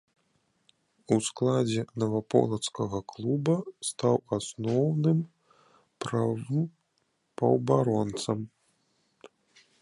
У складзе наваполацкага клуба стаў асноўным правым паўабаронцам.